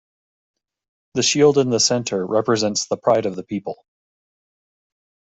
The shield in the centre represents the pride of the people.